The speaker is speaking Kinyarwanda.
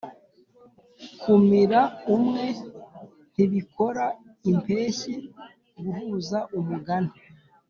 kumira umwe ntibikora impeshyi guhuza umugani